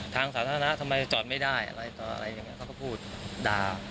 ทางสาธารณะทำไมจอดไม่ได้อะไรต่ออะไรอย่างนี้เขาก็พูดด่า